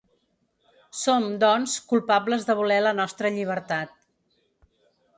Som, doncs, culpables de voler la nostra llibertat.